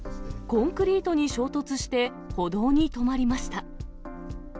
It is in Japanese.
コンクリートに衝突して、歩道に止まりました。